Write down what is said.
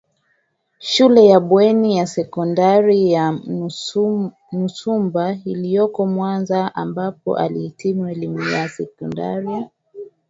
shule ya Bweni ya Sekondari ya Nsumba iliyoko Mwanza ambako alihitimu elimu ya Sekondari